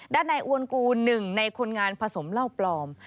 ด้านในอวนกูหนึ่งในคนงานผสมเหล้าปลอม